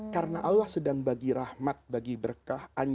karena allah sedang bagi rahmat bagi berkah